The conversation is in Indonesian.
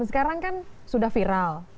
sekarang kan sudah viral